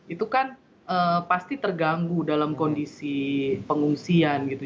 itu kan pasti terganggu dalam kondisi pengungsian gitu